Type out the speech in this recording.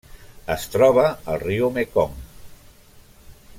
Es troba al riu Mekong.